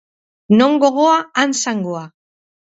Non gogoa, han zangoa.